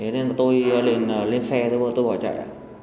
nên tôi lên xe tôi bỏ chạy